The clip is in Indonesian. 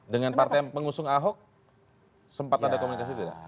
dengan partai pengusung ahok sempat ada komunikasi tidak